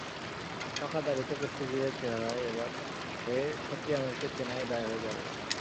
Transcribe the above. পাকা দাড়িতে কুস্তিগিরের চেহারায় এবারে সত্যিই আমিরকে চেনাই দায় হয়ে যাবে।